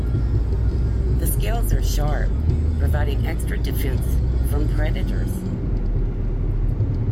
The scales are sharp, providing extra defense from predators.